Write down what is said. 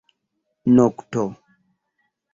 nokto